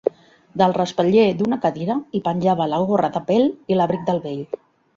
Del respatller d'una cadira hi penjava la gorra de pèl i l'abric del vell.